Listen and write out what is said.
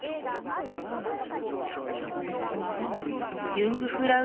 ユングフラウ